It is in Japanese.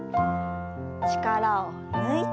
力を抜いて。